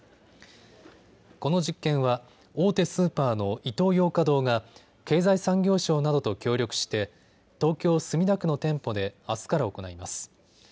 この実験は大手スーパーのイトーヨーカ堂が経済産業省などと協力して東京墨田区の店舗であすから行います。